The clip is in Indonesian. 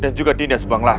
dan juga dinda subanglar